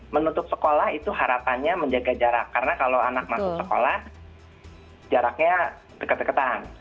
menutup sekolah itu harapannya menjaga jarak karena kalau anak masuk sekolah jaraknya deket deketan